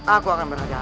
aku akan melakukan